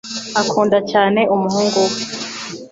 Akunda cyane umuhungu we.